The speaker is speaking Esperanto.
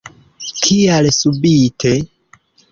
Kial subite.